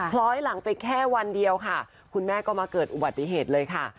คล้อยหลังไปแค่วันเดียวค่ะคุณแม่ก็มาเกิดอุบัติเหตุเลยค่ะ